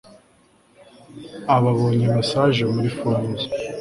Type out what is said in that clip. aba abonye message muri phone ye